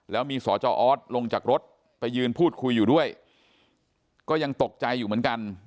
แล้วมีสจออสลงจากรถไปยืนพูดคุยอยู่ด้วยก็ยังตกใจอยู่เหมือนกัน